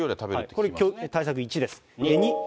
これ対策１です。